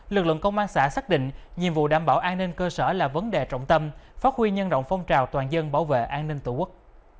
lực lượng công an xã xác định nhiệm vụ đảm bảo an ninh cơ sở là vấn đề trọng tâm phát huy nhân rộng phong trào toàn dân bảo vệ an ninh tổ quốc